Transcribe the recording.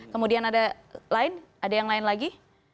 kemudian ada lain ada yang lain lagi